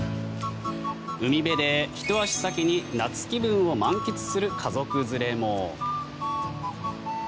海辺でひと足先に夏気分を満喫する家族連れも。